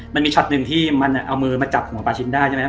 มันมีช็อตหนึ่งที่มันเอามือมาจับหัวปลาชินได้ใช่ไหมครับ